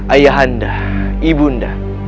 ayah anda ibu anda